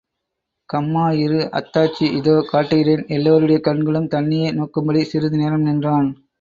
கம்மாயிரு, அத்தாட்சி இதோ காட்டுகிறேன்! எல்லாருடைய கண்களும் தன்னையே நோக்கும்படி சிறிது நேரம் நின்றான்.